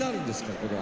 これは。